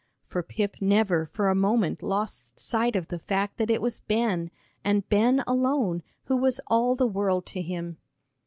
For Pip never for a moment lost sight of the fact that it was Ben, and Ben alone, who was all the world to him.